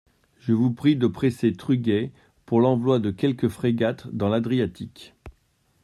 Je vous prie de presser Truguet pour l'envoi de quelques frégates dans l'Adriatique.